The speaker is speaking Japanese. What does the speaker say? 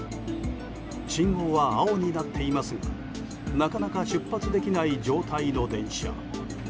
信号は青になっていますがなかなか出発できない状態の電車。